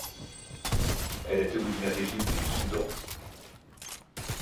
Elle est originaire d'Égypte et du Soudan.